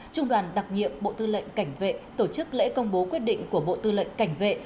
trung đoàn đặc nhiệm bộ tư lệnh cảnh vệ tổ chức lễ công bố quyết định của bộ tư lệnh cảnh vệ